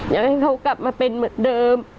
อยากให้เขากลับมาเป็นเหมือนเดิม